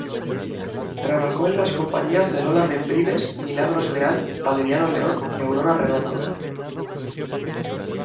Trabajó en las compañías de Lola Membrives, Milagros Leal, Valeriano León y Aurora Redondo.